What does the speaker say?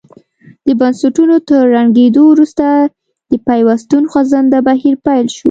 د بنسټونو تر ړنګېدو وروسته د پیوستون خوځنده بهیر پیل شو.